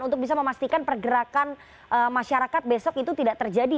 untuk bisa memastikan pergerakan masyarakat besok itu tidak terjadi